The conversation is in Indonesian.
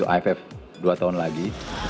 aff dua tahun lagi